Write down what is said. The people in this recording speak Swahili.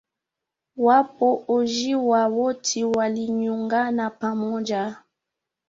Wapo hojiwa woti walilyungana pamoja